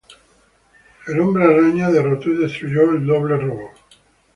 Spider-Man derrotó y destruyó el doble robot.